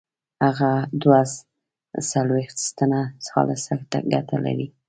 هغه دوه څلوېښت سنټه خالصه ګټه کړې وه.